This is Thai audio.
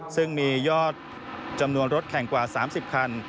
ซึ่งมียอดจำนวนรถแข่งกว่า๓๐คัน